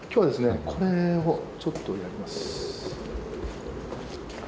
これをちょっとやります。